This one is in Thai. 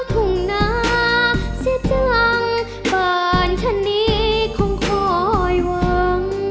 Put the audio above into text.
ทุ่งหน้าเสียเจริญบ้านท่านนี้คงคอยหวัง